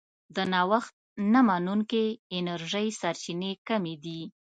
د نوښت نه منونکې انرژۍ سرچینې کمې دي.